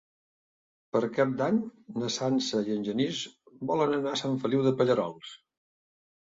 Per Cap d'Any na Sança i en Genís volen anar a Sant Feliu de Pallerols.